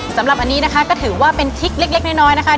สำหรับอันนี้นะคะก็ถือว่าเป็นพริกเล็กน้อยนะคะ